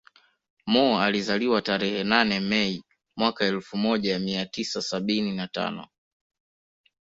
Mo alizaliwa tarehe nane Mei mwaka elfu moja mia tisa sabini na tano